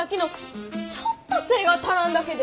ちょっと背ぇが足らんだけで。